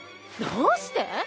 どうして！